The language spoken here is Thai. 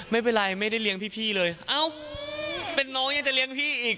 ไม่เป็นไรไม่ได้เลี้ยงพี่เลยเอ้าเป็นน้องยังจะเลี้ยงพี่อีก